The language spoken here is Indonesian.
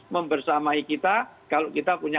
membersamai kita kalau kita punya